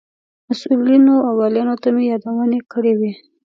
مسئولینو او والیانو ته مې یادونې کړې وې.